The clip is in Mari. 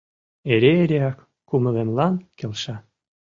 Эре-эреак кумылемлан келша.